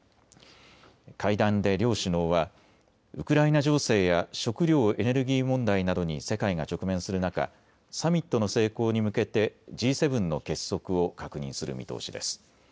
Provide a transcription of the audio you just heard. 会談で両首脳はウクライナ情勢や食料・エネルギー問題などに世界が直面する中、サミットの成功に向けてＧ７の結束を確認する見通しです。